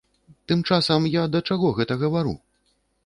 Тым часам я да чаго гэта гавару?